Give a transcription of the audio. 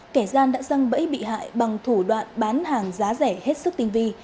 kẻ gian đã răng bẫy bị hại bằng thủ đoạn bán hàng giá rẻ hết sức tinh vi